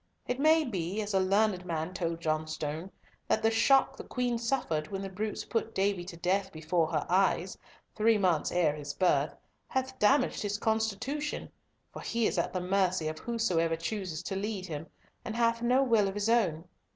It may be, as a learned man told Johnstone, that the shock the Queen suffered when the brutes put Davy to death before her eyes, three months ere his birth, hath damaged his constitution, for he is at the mercy of whosoever chooses to lead him, and hath no will of his own.